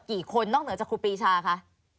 กี่คนนอกเหนือจากครูปีชาคะ